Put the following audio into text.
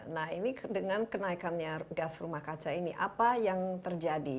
nah ini dengan kenaikannya gas rumah kaca ini apa yang terjadi